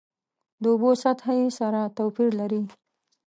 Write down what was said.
د اوبو سطحه یې سره توپیر لري.